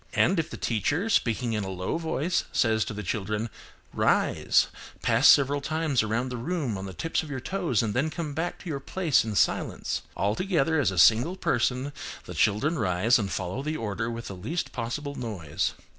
And, if the teacher, speaking in a low voice, says to the children, "Rise, pass several times around the room on the tips of your toes and then come back to your place in silence" all together, as a single person, the children rise, and follow the order with the least possible noise.